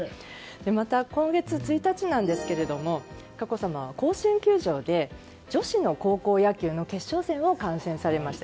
また、今月１日なんですが佳子さまは甲子園球場で女子の高校野球の決勝戦を観戦されました。